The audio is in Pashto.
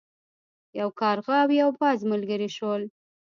یو کارغه او یو باز ملګري شول.